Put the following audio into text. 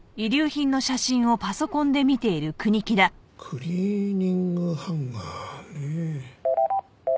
クリーニングハンガーねえ。